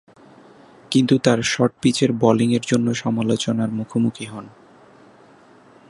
কিন্তু তার শর্ট-পিচের বোলিংয়ের জন্য সমালোচনার মুখোমুখি হন।